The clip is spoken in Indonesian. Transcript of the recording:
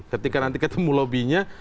ketika nanti ketemu lobbynya